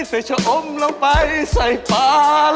ใส่ชะอมลงไปใส่ปลารักษ์